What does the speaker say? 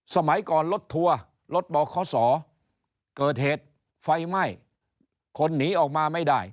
สมัยก่อนรถทัวร์รถบขเกิดเหตุไฟไหม้คนหนีออกมาไม่ได้